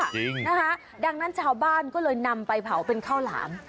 จริงนะคะดังนั้นชาวบ้านก็เลยนำไปเผาเป็นข้าวหลาม